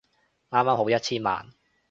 啱啱好一千萬